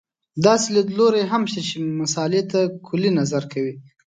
داسې لیدلوري هم شته چې مسألې ته کُلي نظر کوي.